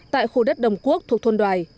tại khu đất đồng quốc thuộc thôn đoài